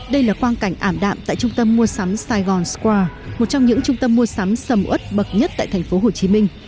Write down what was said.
đây là quan cảnh ảm đạm tại trung tâm mua sắm saigon square một trong những trung tâm mua sắm sầm ớt bậc nhất tại thành phố hồ chí minh